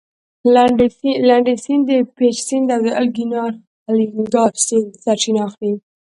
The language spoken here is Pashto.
لنډی سیند د پېج سیند او د الینګار سیند سرچینه اخلي.